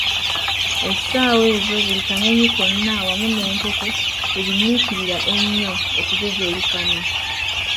Essaawa ezo buli kanyonyi konna wamu n'enkoko we binyiikirira ennyo okujojoolikana.